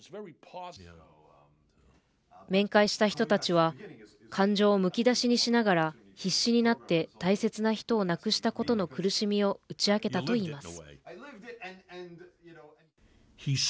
面会した人たちは感情をむき出しにしながら必死になって大切な人を亡くしたことの苦しみを打ち明けたと言います。